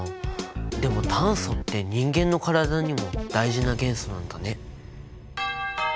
でも炭素って人間の体にも大事な元素なんだね。